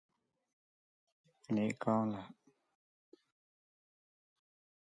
Hays first served in government as city assessor.